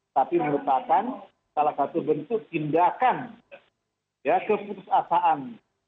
tapi merupakan salah satu bentuk tindakan ya keputusasaan